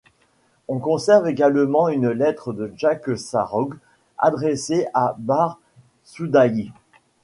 On conserve également une lettre de Jacques de Saroug adressée à Bar Soudaïli.